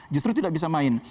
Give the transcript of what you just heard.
justru tidak bisa main